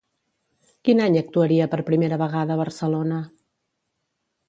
Quin any actuaria per primera vegada a Barcelona?